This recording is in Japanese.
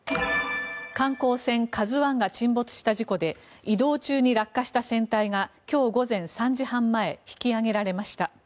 観光船「ＫＡＺＵ１」が沈没した事故で移動中に落下した船体が今日午前３時半前引き揚げられました。